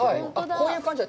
こういう感じだ。